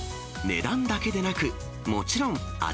値段だけでなく、もちろん味